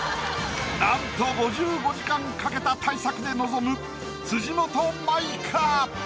なんと５５時間かけた大作で臨む辻元舞か？